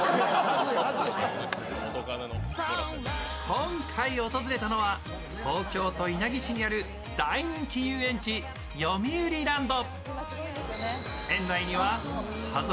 今回訪れたのは、東京都稲城市にある大人気遊園地よみうりランド。